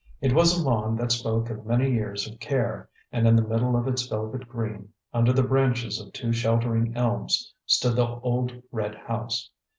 It was a lawn that spoke of many years of care; and in the middle of its velvet green, under the branches of two sheltering elms, stood the old red house.